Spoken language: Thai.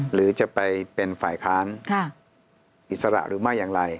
หรือจะไปเป็นฝ่ายค้านอิสระหรือไม่อย่างไร